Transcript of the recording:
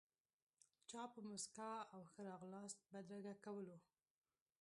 چا په موسکا او ښه راغلاست بدرګه کولو.